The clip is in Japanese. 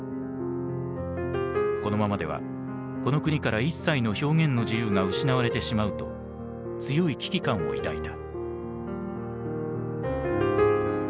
このままではこの国から一切の表現の自由が失われてしまうと強い危機感を抱いた。